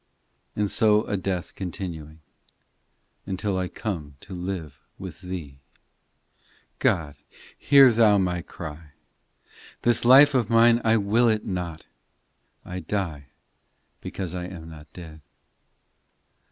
And so a death continuing, Until I come to live with Thee. God, hear Thou my cry ! This life of mine I will it not; 1 die because I am not dead.